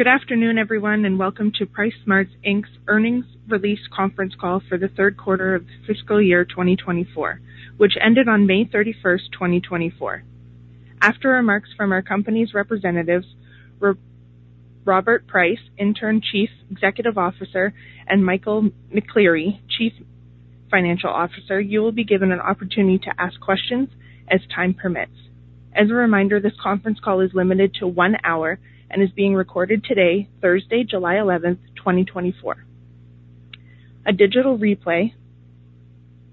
Good afternoon, everyone, and welcome to PriceSmart Inc's earnings release conference call for the third quarter of the fiscal year 2024, which ended on May 31st, 2024. After remarks from our company's representatives, Robert Price, Interim Chief Executive Officer, and Michael McCleary, Chief Financial Officer, you will be given an opportunity to ask questions as time permits. As a reminder, this conference call is limited to one hour and is being recorded today, Thursday, July 11th, 2024. A digital replay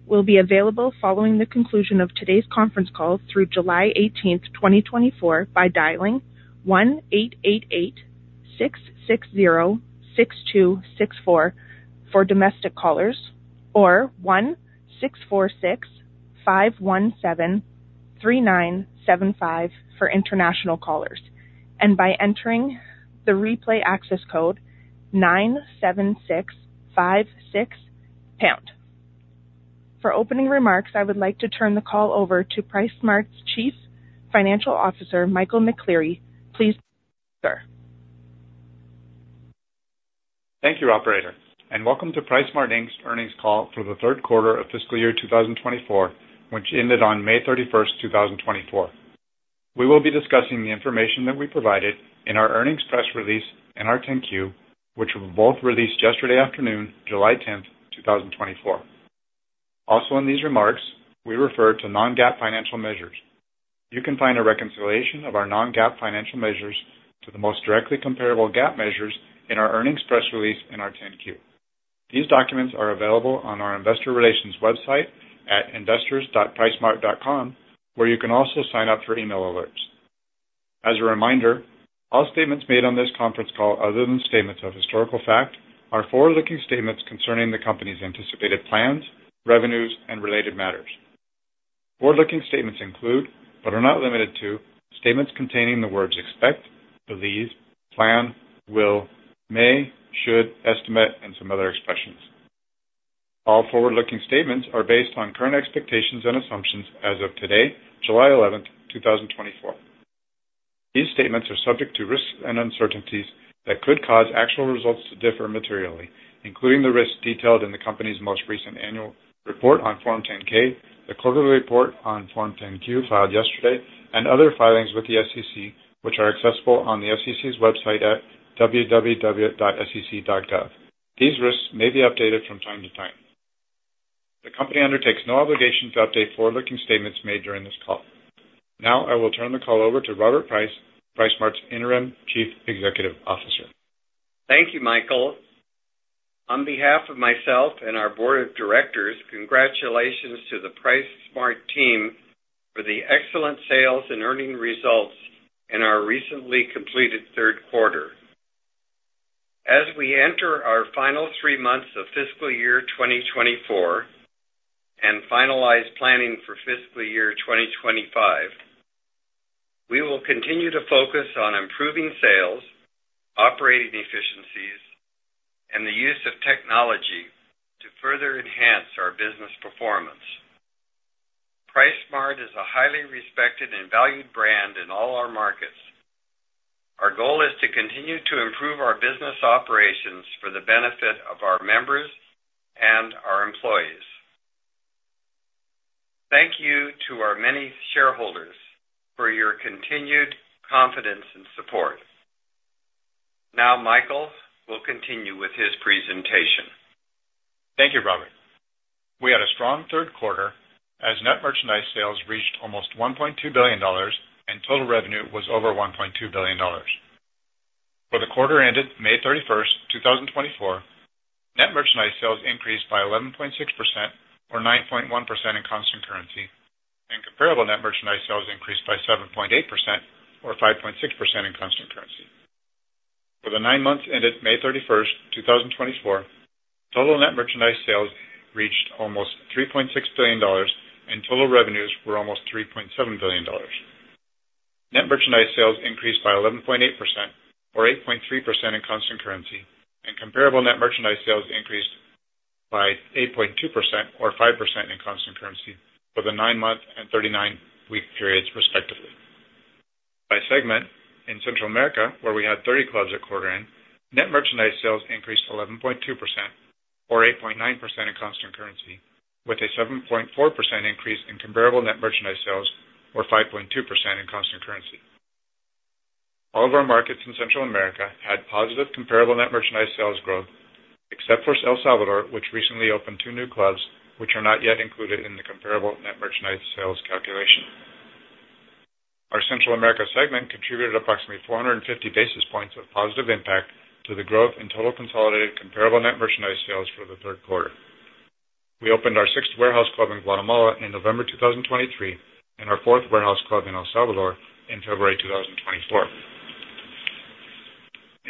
will be available following the conclusion of today's conference call through July 18th, 2024, by dialing 1-888-660-6264 for domestic callers or 1-646-517-3975 for international callers, and by entering the replay access code 97656#. For opening remarks, I would like to turn the call over to PriceSmart's Chief Financial Officer, Michael McCleary. Please, sir. Thank you, operator, and welcome to PriceSmart Inc's earnings call for the third quarter of fiscal year 2024, which ended on May 31st, 2024. We will be discussing the information that we provided in our earnings press release and our 10-Q, which were both released yesterday afternoon, July 10th, 2024. Also, in these remarks, we refer to non-GAAP financial measures. You can find a reconciliation of our non-GAAP financial measures to the most directly comparable GAAP measures in our earnings press release and our 10-Q. These documents are available on our investor relations website at investors.pricesmart.com, where you can also sign up for email alerts. As a reminder, all statements made on this conference call, other than statements of historical fact, are forward-looking statements concerning the company's anticipated plans, revenues, and related matters. Forward-looking statements include, but are not limited to, statements containing the words expect, believe, plan, will, may, should, estimate, and some other expressions. All forward-looking statements are based on current expectations and assumptions as of today, July 11th, 2024. These statements are subject to risks and uncertainties that could cause actual results to differ materially, including the risks detailed in the company's most recent annual report on Form 10-K, the quarterly report on Form 10-Q, filed yesterday, and other filings with the SEC, which are accessible on the SEC's website at www.sec.gov. These risks may be updated from time to time. The company undertakes no obligation to update forward-looking statements made during this call. Now, I will turn the call over to Robert Price, PriceSmart's Interim Chief Executive Officer. Thank you, Michael. On behalf of myself and our board of directors, congratulations to the PriceSmart team for the excellent sales and earnings results in our recently completed third quarter. As we enter our final three months of fiscal year 2024 and finalize planning for fiscal year 2025, we will continue to focus on improving sales, operating efficiencies, and the use of technology to further enhance our business performance. PriceSmart is a highly respected and valued brand in all our markets. Our goal is to continue to improve our business operations for the benefit of our members and our employees. Thank you to our many shareholders for your continued confidence and support. Now, Michael will continue with his presentation. Thank you, Robert. We had a strong third quarter as net merchandise sales reached almost $1.2 billion and total revenue was over $1.2 billion. For the quarter ended May 31st, 2024, net merchandise sales increased by 11.6% or 9.1% in constant currency, and comparable net merchandise sales increased by 7.8% or 5.6% in constant currency. For the nine months ended May 31st, 2024, total net merchandise sales reached almost $3.6 billion, and total revenues were almost $3.7 billion. Net merchandise sales increased by 11.8% or 8.3% in constant currency, and comparable net merchandise sales increased by 8.2% or 5% in constant currency for the nine-month and 39-week periods, respectively. By segment, in Central America, where we had 30 clubs at quarter end, net merchandise sales increased 11.2% or 8.9% in constant currency, with a 7.4% increase in comparable net merchandise sales, or 5.2% in constant currency. All of our markets in Central America had positive comparable net merchandise sales growth, except for El Salvador, which recently opened 2 new clubs, which are not yet included in the comparable net merchandise sales calculation. Our Central America segment contributed approximately 450 basis points of positive impact to the growth in total consolidated comparable net merchandise sales for the third quarter. We opened our sixth warehouse club in Guatemala in November 2023 and our fourth warehouse club in El Salvador in February 2024.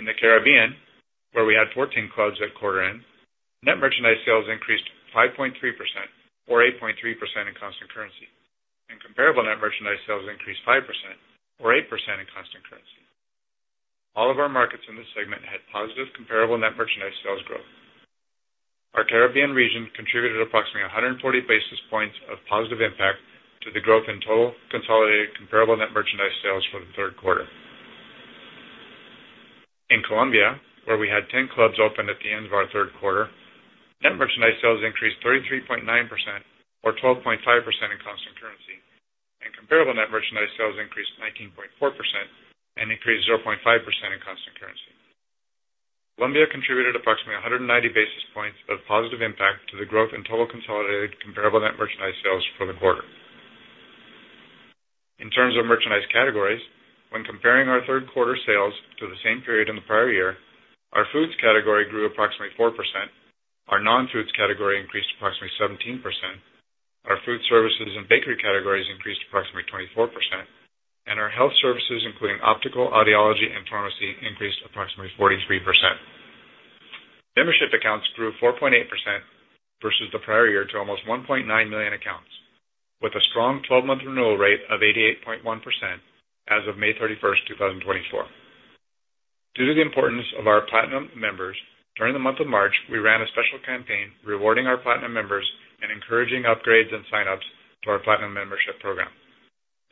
In the Caribbean, where we had 14 clubs at quarter end, net merchandise sales increased 5.3% or 8.3% in constant currency, and comparable net merchandise sales increased 5% or 8% in constant currency. All of our markets in this segment had positive comparable net merchandise sales growth. Our Caribbean region contributed approximately 140 basis points of positive impact to the growth in total consolidated comparable net merchandise sales for the third quarter. In Colombia, where we had 10 clubs open at the end of our third quarter, net merchandise sales increased 33.9% or 12.5% in constant currency, and comparable net merchandise sales increased 19.4% and increased 0.5% in constant currency. Colombia contributed approximately 190 basis points of positive impact to the growth in total consolidated comparable net merchandise sales for the quarter. In terms of merchandise categories, when comparing our third quarter sales to the same period in the prior year, our foods category grew approximately 4%, our non-foods category increased approximately 17%, our food services and bakery categories increased approximately 24%, and our health services, including optical, audiology, and pharmacy, increased approximately 43%. Membership accounts grew 4.8% versus the prior year to almost 1.9 million accounts, with a strong 12-month renewal rate of 88.1% as of May 31st, 2024. Due to the importance of our Platinum Members, during the month of March, we ran a special campaign rewarding our Platinum Members and encouraging upgrades and sign-ups to our Platinum Membership program.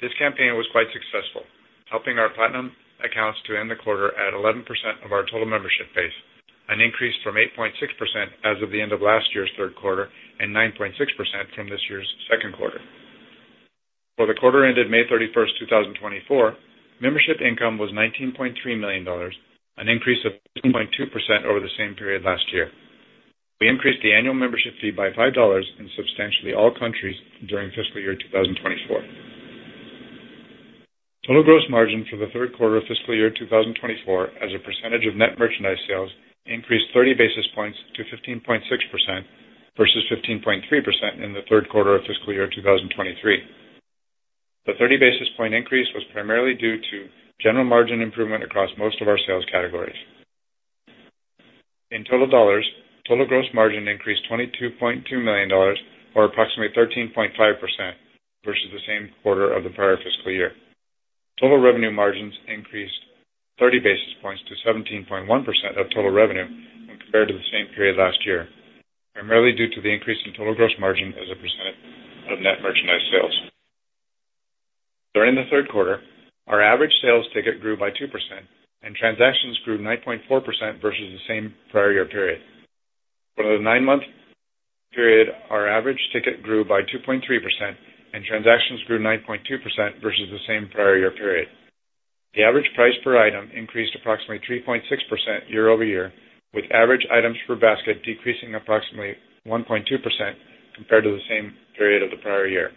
This campaign was quite successful, helping our Platinum accounts to end the quarter at 11% of our total membership base, an increase from 8.6% as of the end of last year's third quarter and 9.6% from this year's second quarter. For the quarter ended May 31st, 2024, membership income was $19.3 million, an increase of 2.2% over the same period last year. We increased the annual membership fee by $5 in substantially all countries during fiscal year 2024. Total gross margin for the third quarter of fiscal year 2024, as a percentage of net merchandise sales, increased 30 basis points to 15.6% versus 15.3% in the third quarter of fiscal year 2023. The 30 basis point increase was primarily due to general margin improvement across most of our sales categories. In total dollars, total gross margin increased $22.2 million, or approximately 13.5% versus the same quarter of the prior fiscal year. Total revenue margins increased 30 basis points to 17.1% of total revenue when compared to the same period last year, primarily due to the increase in total gross margin as a percentage of net merchandise sales. During the third quarter, our average sales ticket grew by 2% and transactions grew 9.4% versus the same prior year period. For the nine-month period, our average ticket grew by 2.3% and transactions grew 9.2% versus the same prior year period. The average price per item increased approximately 3.6% year-over-year, with average items per basket decreasing approximately 1.2% compared to the same period of the prior year.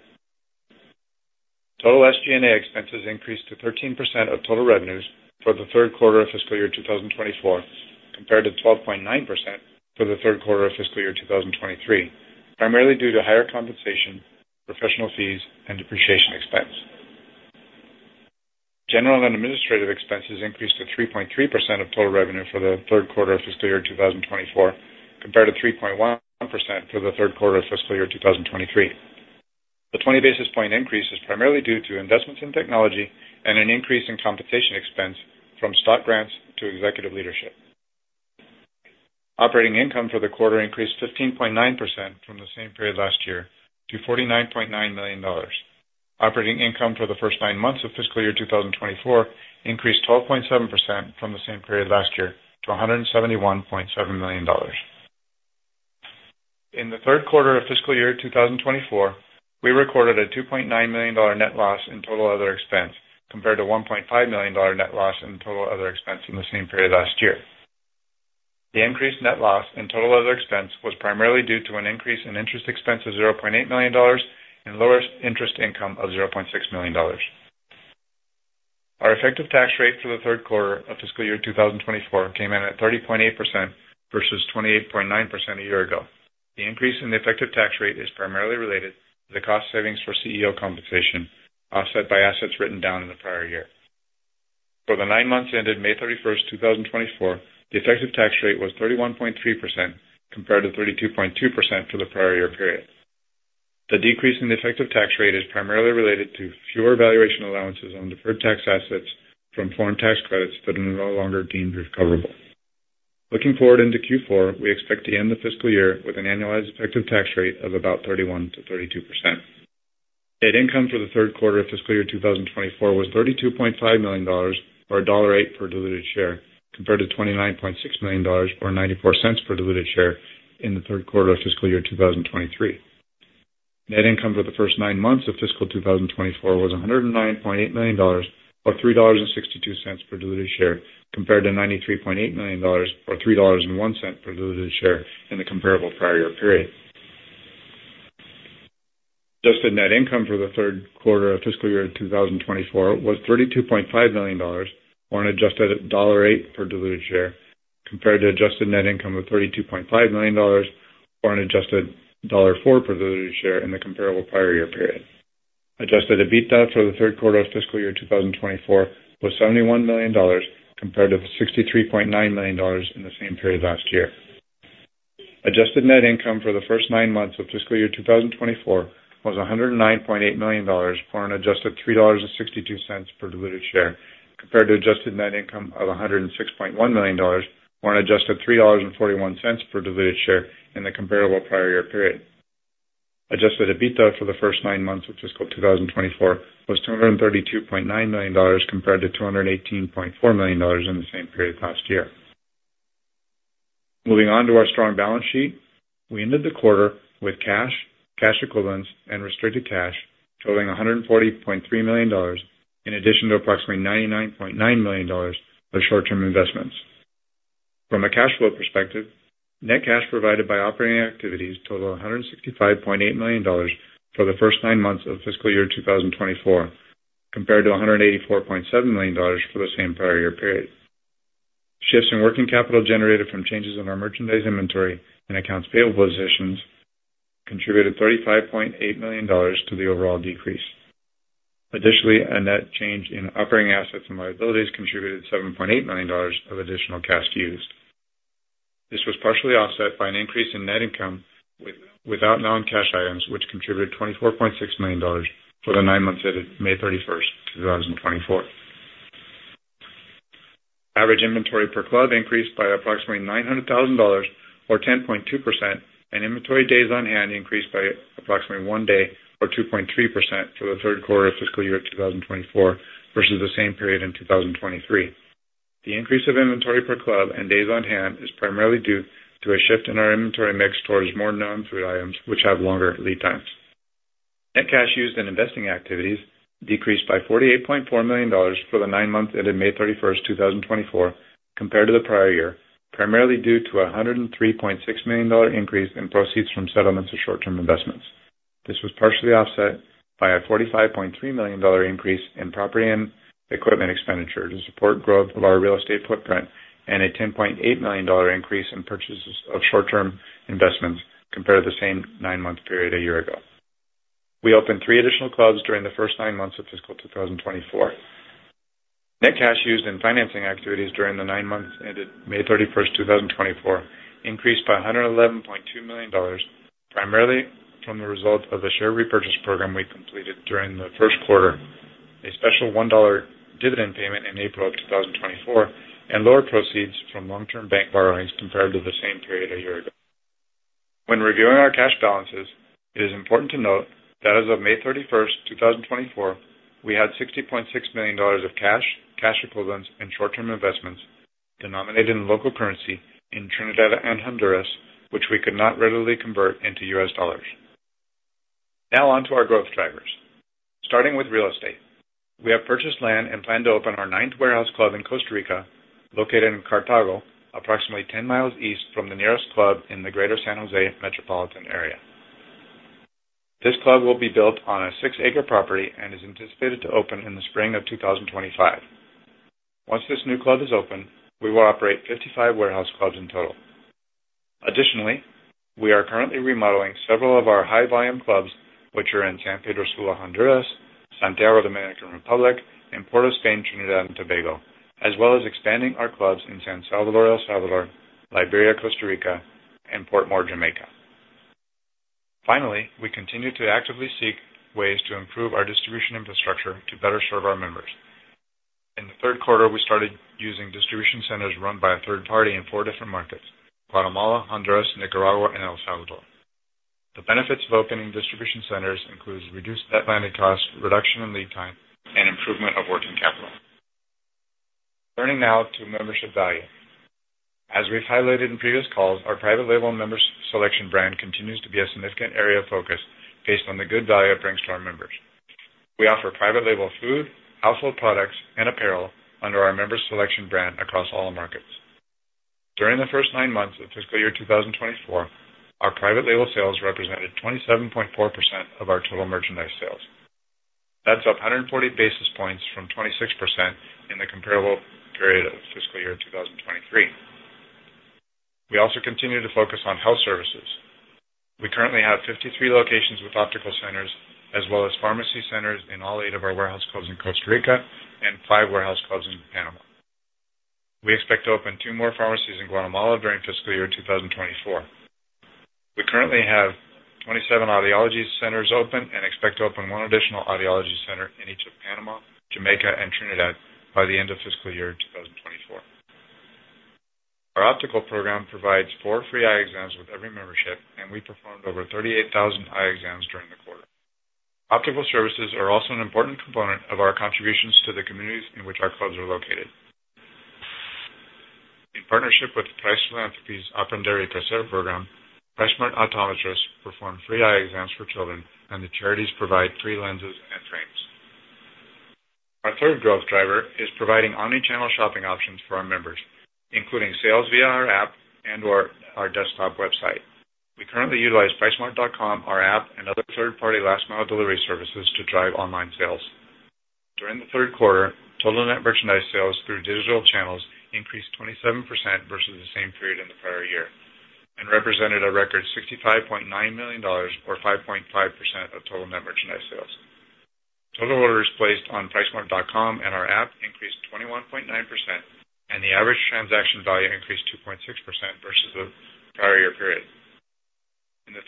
Total SG&A expenses increased to 13% of total revenues for the third quarter of fiscal year 2024, compared to 12.9% for the third quarter of fiscal year 2023, primarily due to higher compensation, professional fees, and depreciation expense. General and administrative expenses increased to 3.3% of total revenue for the third quarter of fiscal year 2024, compared to 3.1% for the third quarter of fiscal year 2023. The 20 basis point increase is primarily due to investments in technology and an increase in compensation expense from stock grants to executive leadership. Operating income for the quarter increased 15.9% from the same period last year to $49.9 million. Operating income for the first nine months of fiscal year 2024 increased 12.7% from the same period last year to $171.7 million. In the third quarter of fiscal year 2024, we recorded a $2.9 million dollar net loss in total other expense, compared to $1.5 million dollar net loss in total other expense in the same period last year. The increased net loss in total other expense was primarily due to an increase in interest expense of $0.8 million and lower interest income of $0.6 million. Our effective tax rate for the third quarter of fiscal year 2024 came in at 30.8% versus 28.9% a year ago. The increase in the effective tax rate is primarily related to the cost savings for CEO compensation, offset by assets written down in the prior year. For the nine months ended May 31st, 2024, the effective tax rate was 31.3%, compared to 32.2% for the prior year period. The decrease in the effective tax rate is primarily related to fewer valuation allowances on deferred tax assets from foreign tax credits that are no longer deemed recoverable. Looking forward into Q4, we expect to end the fiscal year with an annualized effective tax rate of about 31%-32%. Net income for the third quarter of fiscal year 2024 was $32.5 million, or $1.08 per diluted share, compared to $29.6 million, or $0.94 per diluted share in the third quarter of fiscal year 2023. Net income for the first nine months of fiscal 2024 was $109.8 million, or $3.62 per diluted share, compared to $93.8 million, or $3.01 per diluted share in the comparable prior year period. Adjusted net income for the third quarter of fiscal year 2024 was $32.5 million, or an adjusted $1.08 per diluted share, compared to adjusted net income of $32.5 million, or an adjusted $1.04 per diluted share in the comparable prior year period. Adjusted EBITDA for the third quarter of fiscal year 2024 was $71 million, compared to $63.9 million in the same period last year. Adjusted Net Income for the first nine months of fiscal year 2024 was $109.8 million, or an adjusted $3.62 per diluted share, compared to adjusted net income of $106.1 million, or an adjusted $3.41 per diluted share in the comparable prior year period. Adjusted EBITDA for the first nine months of fiscal 2024 was $232.9 million, compared to $218.4 million in the same period last year. Moving on to our strong balance sheet. We ended the quarter with cash, cash equivalents, and restricted cash totaling $140.3 million, in addition to approximately $99.9 million for short-term investments. From a cash flow perspective, net cash provided by operating activities totaled $165.8 million for the first nine months of fiscal year 2024, compared to $184.7 million for the same prior year period. Shifts in working capital generated from changes in our merchandise inventory and accounts payable positions contributed $35.8 million to the overall decrease. Additionally, a net change in operating assets and liabilities contributed $7.8 million of additional cash used. This was partially offset by an increase in net income without non-cash items, which contributed $24.6 million for the nine months ended May 31st, 2024. Average inventory per club increased by approximately $900,000 or 10.2%, and inventory days on hand increased by approximately 1 day, or 2.3% for the third quarter of fiscal year 2024, versus the same period in 2023. The increase of inventory per club and days on hand is primarily due to a shift in our inventory mix towards more non-food items, which have longer lead times. Net cash used in investing activities decreased by $48.4 million for the 9 months ended May 31st, 2024, compared to the prior year, primarily due to a $103.6 million increase in proceeds from settlements of short-term investments. This was partially offset by a $45.3 million increase in property and equipment expenditure to support growth of our real estate footprint, and a $10.8 million increase in purchases of short-term investments compared to the same nine-month period a year ago. We opened three additional clubs during the first nine months of fiscal 2024. Net cash used in financing activities during the nine months ended May 31st, 2024, increased by $111.2 million, primarily from the result of the share repurchase program we completed during the first quarter, a special $1 dividend payment in April 2024, and lower proceeds from long-term bank borrowings compared to the same period a year ago. When reviewing our cash balances, it is important to note that as of May 31st, 2024, we had $60.6 million of cash, cash equivalents, and short-term investments denominated in local currency in Trinidad and Honduras, which we could not readily convert into U.S. dollars. Now on to our growth drivers. Starting with real estate, we have purchased land and plan to open our ninth warehouse club in Costa Rica, located in Cartago, approximately 10 mi east from the nearest club in the greater San José metropolitan area. This club will be built on a 6-acre property and is anticipated to open in the spring of 2025. Once this new club is open, we will operate 55 warehouse clubs in total. Additionally, we are currently remodeling several of our high-volume clubs, which are in San Pedro Sula, Honduras, Santiago, Dominican Republic, and Port of Spain, Trinidad and Tobago, as well as expanding our clubs in San Salvador, El Salvador, Liberia, Costa Rica, and Portmore, Jamaica. Finally, we continue to actively seek ways to improve our distribution infrastructure to better serve our members. In the third quarter, we started using distribution centers run by a third party in four different markets, Guatemala, Honduras, Nicaragua, and El Salvador. The benefits of opening distribution centers includes reduced net landing costs, reduction in lead time, and improvement of working capital. Turning now to membership value. As we've highlighted in previous calls, our private label Member's Selection brand continues to be a significant area of focus based on the good value it brings to our members. We offer private label food, household products, and apparel under our Member's Selection brand across all markets. During the first nine months of fiscal year 2024, our private label sales represented 27.4% of our total merchandise sales. That's up 140 basis points from 26% in the comparable period of fiscal year 2023. We also continue to focus on health services. We currently have 53 locations with optical centers, as well as pharmacy centers in all eight of our warehouse clubs in Costa Rica and five warehouse clubs in Panama. We expect to open two more pharmacies in Guatemala during fiscal year 2024. We currently have 27 audiology centers open and expect to open one additional audiology center in each of Panama, Jamaica, and Trinidad by the end of fiscal year 2024. Our optical program provides four free eye exams with every membership, and we performed over 38,000 eye exams during the quarter. Optical services are also an important component of our contributions to the communities in which our clubs are located. In partnership with Price Philanthropies' Aprender y Crecer program, PriceSmart optometrists perform free eye exams for children, and the charities provide free lenses and frames. Our third growth driver is providing omni-channel shopping options for our members, including sales via our app and or our desktop website. We currently utilize pricesmart.com, our app, and other third-party last mile delivery services to drive online sales. During the third quarter, total net merchandise sales through digital channels increased 27% versus the same period in the prior year and represented a record $65.9 million or 5.5% of total net merchandise sales. Total orders placed on pricesmart.com and our app increased 21.9%, and the average transaction value increased 2.6% versus the prior year period.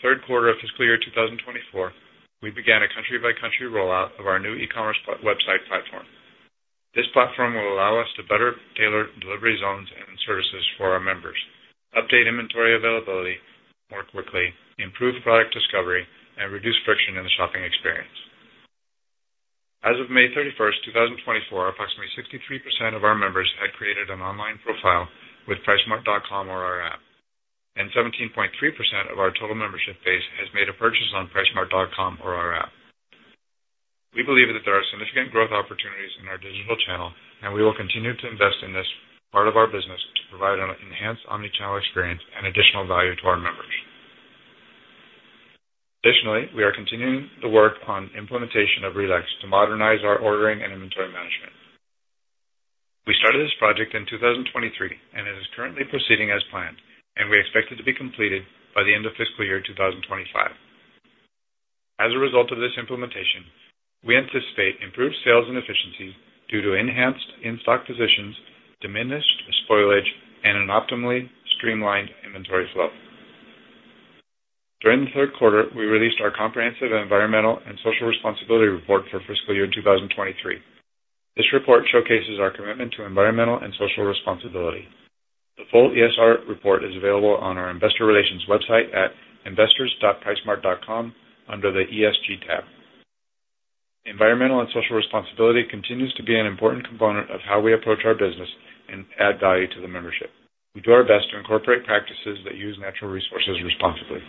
Third quarter of fiscal year 2024, we began a country-by-country rollout of our new e-commerce platform website platform. This platform will allow us to better tailor delivery zones and services for our members, update inventory availability more quickly, improve product discovery, and reduce friction in the shopping experience. As of May 31st, 2024, approximately 63% of our members had created an online profile with pricesmart.com or our app, and 17.3% of our total membership base has made a purchase on pricesmart.com or our app. We believe that there are significant growth opportunities in our digital channel, and we will continue to invest in this part of our business to provide an enhanced omni-channel experience and additional value to our members. Additionally, we are continuing the work on implementation of RELEX to modernize our ordering and inventory management. We started this project in 2023, and it is currently proceeding as planned, and we expect it to be completed by the end of fiscal year 2025. As a result of this implementation, we anticipate improved sales and efficiencies due to enhanced in-stock positions, diminished spoilage, and an optimally streamlined inventory flow. During the third quarter, we released our comprehensive environmental and social responsibility report for fiscal year 2023. This report showcases our commitment to environmental and social responsibility. The full ESR report is available on our investor relations website at investors.pricesmart.com under the ESG tab. Environmental and social responsibility continues to be an important component of how we approach our business and add value to the membership. We do our best to incorporate practices that use natural resources responsibly.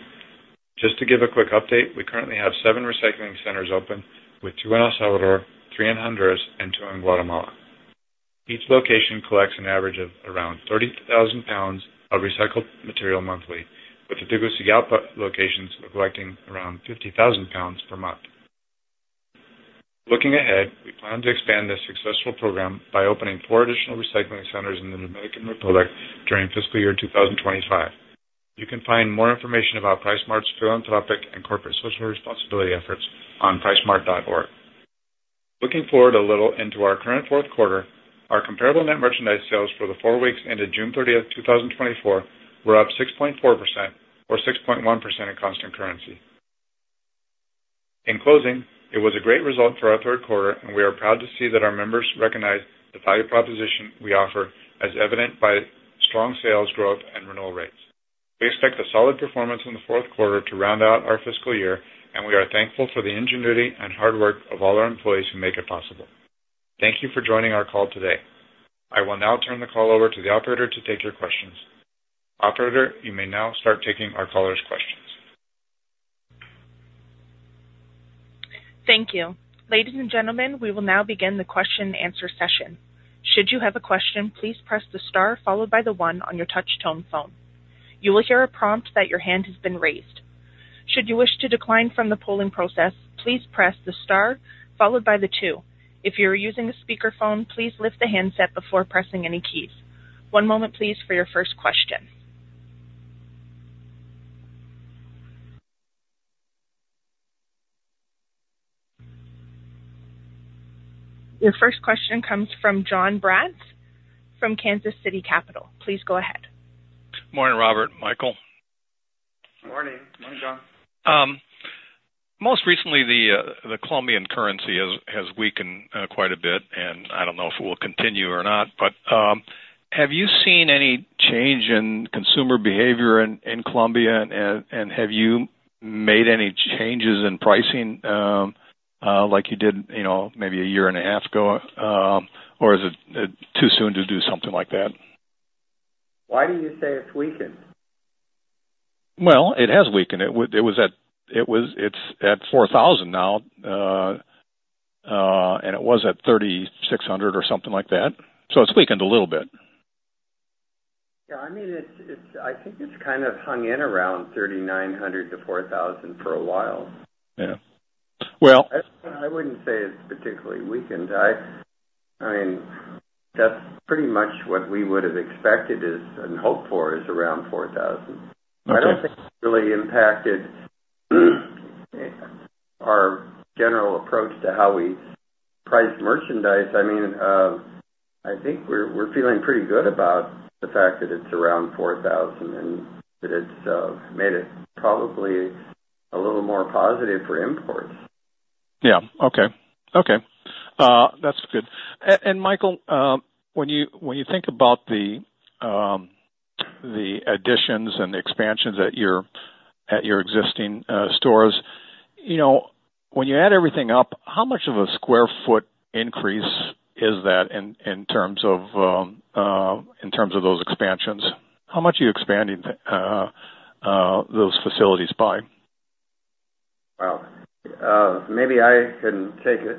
Just to give a quick update, we currently have seven recycling centers open, with two in El Salvador, three in Honduras, and two in Guatemala. Each location collects an average of around 30,000 lbs of recycled material monthly, with the Tegucigalpa locations collecting around 50,000 lbs per month. Looking ahead, we plan to expand this successful program by opening four additional recycling centers in the Dominican Republic during fiscal year 2025. You can find more information about PriceSmart's philanthropic and corporate social responsibility efforts on pricesmart.org. Looking forward a little into our current fourth quarter, our comparable net merchandise sales for the four weeks ended June 30th, 2024, were up 6.4% or 6.1% in constant currency. In closing, it was a great result for our third quarter, and we are proud to see that our members recognize the value proposition we offer, as evident by strong sales growth and renewal rates. We expect a solid performance in the fourth quarter to round out our fiscal year, and we are thankful for the ingenuity and hard work of all our employees who make it possible. Thank you for joining our call today. I will now turn the call over to the operator to take your questions. Operator, you may now start taking our callers' questions. Thank you. Ladies and gentlemen, we will now begin the question and answer session. Should you have a question, please press the star followed by the one on your touch tone phone. You will hear a prompt that your hand has been raised. Should you wish to decline from the polling process, please press the star followed by the two. If you are using a speakerphone, please lift the handset before pressing any keys. One moment, please, for your first question. Your first question comes from Jon Braatz from Kansas City Capital. Please go ahead. Morning, Robert, Michael. Morning. Morning, Jon. Most recently, the Colombian currency has weakened quite a bit, and I don't know if it will continue or not, but have you seen any change in consumer behavior in Colombia, and have you made any changes in pricing, like you did, you know, maybe a year and a half ago? Or is it too soon to do something like that? Why do you say it's weakened? Well, it has weakened. It's at COP 4,000 now, and it was at COP 3,600 or something like that. So it's weakened a little bit. Yeah, I mean, I think it's kind of hung in around COP 3,900-COP 4,000 for a while. Yeah. Well- I wouldn't say it's particularly weakened. I mean, that's pretty much what we would have expected is, and hoped for, is around COP 4,000. Okay. I don't think it's really impacted our general approach to how we price merchandise. I mean, I think we're feeling pretty good about the fact that it's around COP 4,000 and that it's made it probably a little more positive for imports. Yeah. Okay. Okay, that's good. And Michael, when you, when you think about the, the additions and the expansions at your, at your existing, stores, you know, when you add everything up, how much of a sq ft increase is that in terms of, in terms of those expansions? How much are you expanding, those facilities by? Well, maybe I can take it.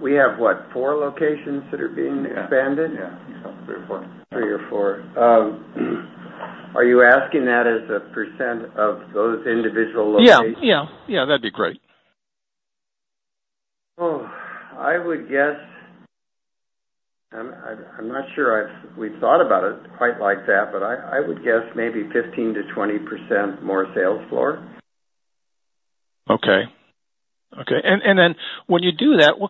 We have, what, four locations that are being expanded? Yeah, three or four. Three or four. Are you asking that as a percent of those individual locations? Yeah. Yeah, yeah, that'd be great. Oh, I would guess. I'm not sure we've thought about it quite like that, but I would guess maybe 15%-20% more sales floor. Okay. Okay, and then when you do that,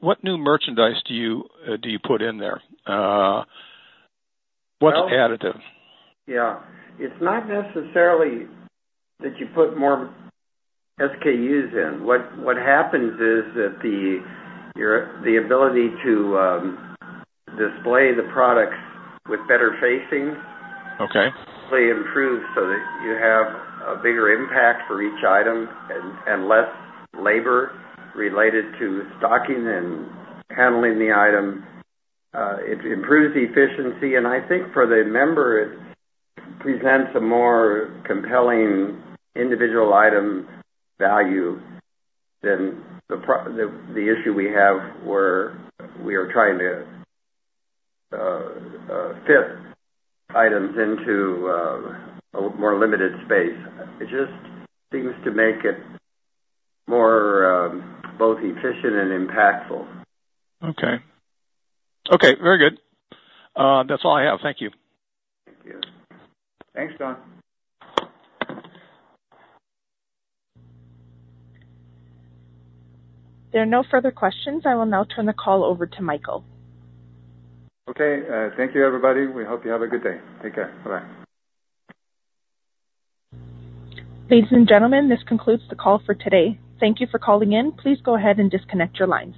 what new merchandise do you put in there? What's additive? Yeah. It's not necessarily that you put more SKUs in. What happens is that the ability to display the products with better facing- Okay. Really improves so that you have a bigger impact for each item and less labor related to stocking and handling the item. It improves the efficiency, and I think for the member, it presents a more compelling individual item value than the [pro]. The issue we have where we are trying to fit items into a more limited space. It just seems to make it more both efficient and impactful. Okay. Okay, very good. That's all I have. Thank you. Thank you. Thanks, Jon. There are no further questions. I will now turn the call over to Michael. Okay. Thank you, everybody. We hope you have a good day. Take care. Bye-bye. Ladies and gentlemen, this concludes the call for today. Thank you for calling in. Please go ahead and disconnect your lines.